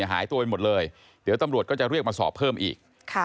หายตัวไปหมดเลยเดี๋ยวตำรวจก็จะเรียกมาสอบเพิ่มอีก